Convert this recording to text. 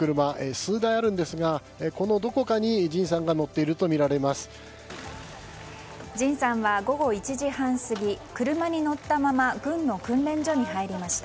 数台あるんですがこのどこかにＪＩＮさんがＪＩＮさんは午後１時半過ぎ車に乗ったまま軍の訓練所に入りました。